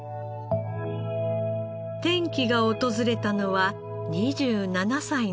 転機が訪れたのは２７歳の時。